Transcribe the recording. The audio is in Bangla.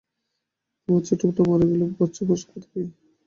আমার ছোট্ট বোনটা মারা গেল বাচ্চা প্রসব করতে গিয়ে।